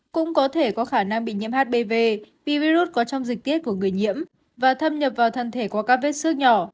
cũng có thể có khả năng bị nhiễm hbv vì virus có trong dịch tiết của người nhiễm và thâm nhập vào thân thể qua các vết xước nhỏ